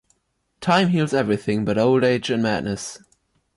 Time heals everything but old age and madness.